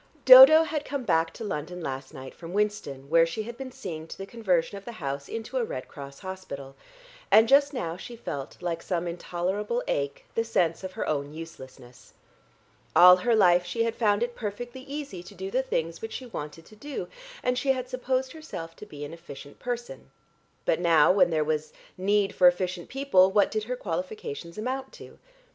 Dodo had come back to London last night from Winston where she had been seeing to the conversion of the house into a Red Cross hospital, and just now she felt, like some intolerable ache, the sense of her own uselessness. All her life she had found it perfectly easy to do the things which she wanted to do, and she had supposed herself to be an efficient person. But now, when there was need for efficient people, what did her qualifications amount to?